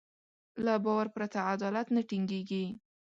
له باور پرته عدالت نه ټينګېږي.